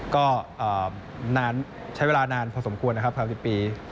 ก็ใช้เวลานานพอสมควรนะครับ๓๐ปี